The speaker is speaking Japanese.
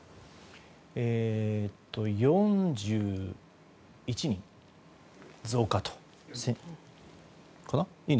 ４１人、増加と。